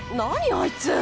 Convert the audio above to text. あいつ。